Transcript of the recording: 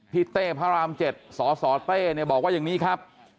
เต้พระราม๗สสเต้เนี่ยบอกว่าอย่างนี้ครับ